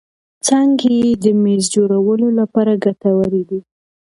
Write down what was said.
څانګې یې د مېزو جوړولو لپاره ګټورې دي.